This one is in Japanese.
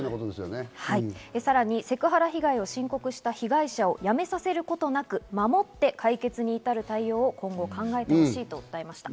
さらにセクハラ被害を申告した被害者を辞めさせることなく、守って解決に至る対応を今後考えてほしいと訴えました。